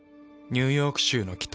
ニューヨーク州の北。